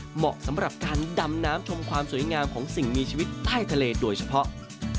เหมาะสำหรับการดำน้ำชมความสวยงามของสิ่งมีชีวิตใต้ทะเลโดยเฉพาะ